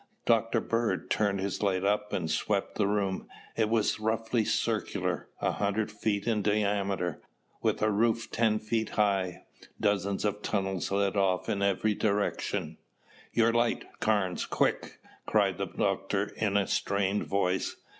Dr. Bird turned his light up and swept the room. It was roughly circular, a hundred feet in diameter, with a roof ten feet high. Dozens of tunnels led off in every direction. "Your light, Carnes, quick!" cried the doctor in a strained voice.